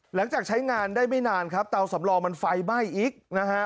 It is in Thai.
หลังจากใช้งานได้ไม่นานครับเตาสำรองมันไฟไหม้อีกนะฮะ